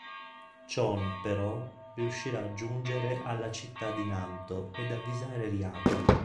Chon, però, riuscirà a giungere alla città di Nanto ed avvisare Rihaku.